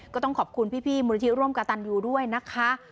ก็ต้องขอบคุณพี่มูลนิธิร่วมกับตันยูด้วยนะคะ